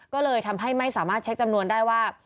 ก็เลยทำให้ไม่สามารถเช็คจำนวนได้ว่า